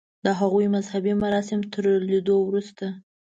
د هغوی مذهبي مراسم تر لیدو وروسته.